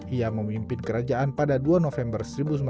ia memimpin kerajaan pada dua november seribu sembilan ratus empat puluh